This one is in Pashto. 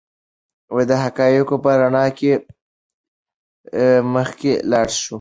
د حقایقو په رڼا کې مخکې لاړ شو.